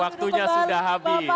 waktunya sudah habis